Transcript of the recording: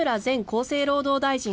厚生労働大臣